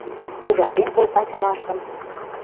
Ужатен колта чылаштым.